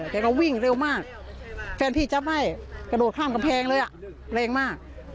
แกก็วิ่งเร็วมากแฟนพี่จะไหม้กระโดดข้ามกำแพงเลยอ่ะแรงมาก